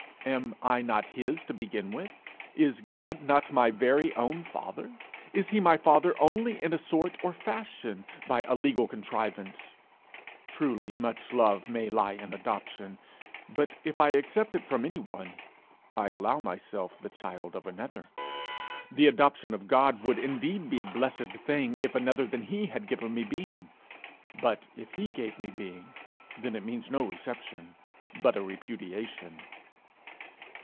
Am I not his to begin with? Is God not my very own Father? Is he my Father only in a sort or fashion by a legal contrivance? Truly, much love may lie in adoption, but if I accept it from any one, I allow myself the child of another! The adoption of God would indeed be a blessed thing if another than he had given me being! but if he gave me being, then it means no reception, but a repudiation.